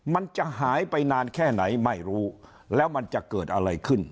มันจะหายไปนานแค่ไหนไม่รู้แล้วมันจะเกิดอะไรขึ้น